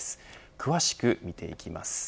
詳しく見ていきます。